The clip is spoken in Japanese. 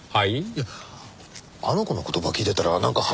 いやあの子の言葉聞いてたらなんか腹減っちゃって。